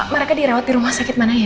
mereka dirawat di rumah sakit mana ya